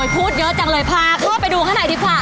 พูดเยอะจังเลยพาเข้าไปดูข้างในดีกว่า